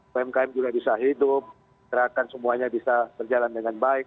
umkm juga bisa hidup gerakan semuanya bisa berjalan dengan baik